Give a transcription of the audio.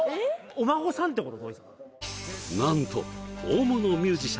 お孫さんってこと？